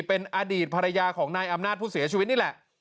เป็นอดีตภรรยาของนายอำนาจผู้เสียชีวิตนี่แหละ